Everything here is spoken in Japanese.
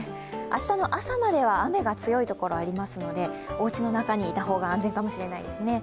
明日の朝までは雨が強いところ、ありますのでおうちの中にいた方が安全かもしれないですね。